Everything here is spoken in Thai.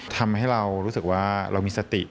ทำให้เรารู้สึกว่าเรามีสติ